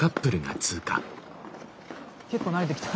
結構慣れてきた。